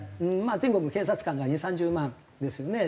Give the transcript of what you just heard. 全国の警察官が２０３０万ですよね。